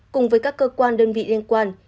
cùng với các cơ quan đơn vị liên quan